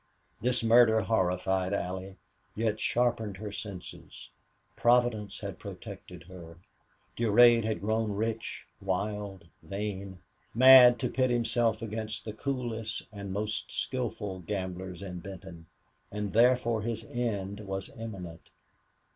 This murder horrified Allie, yet sharpened her senses. Providence had protected her. Durade had grown rich wild vain mad to pit himself against the coolest and most skilful gamblers in Benton and therefore his end was imminent.